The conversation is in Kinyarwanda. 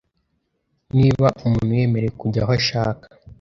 niba umuntu yemerewe kujya aho ashaka,